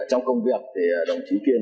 trong công việc thì đồng chí tiên